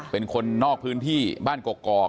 เป็นคนนอกพื้นที่บ้านกอก